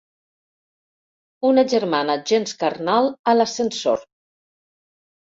Una germana gens carnal a l'ascensor.